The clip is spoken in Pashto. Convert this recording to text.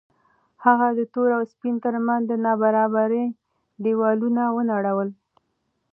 هغه د تور او سپین تر منځ د نابرابرۍ دېوالونه ونړول.